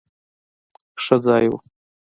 ښه ځای وو.